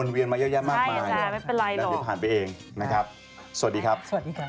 ไม่ไม่ไม่เป็นไรหรอกสวัสดีครับสวัสดีครับ